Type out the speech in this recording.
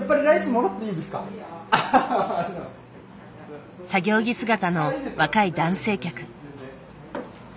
作業着姿の若い男性客。